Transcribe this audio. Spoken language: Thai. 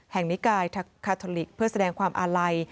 นิกายคาทอลิกเพื่อแสดงความอาลัย